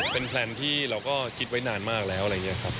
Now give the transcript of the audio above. เป็นแพลนที่เราก็คิดไว้นานมากแล้วอะไรอย่างนี้ครับ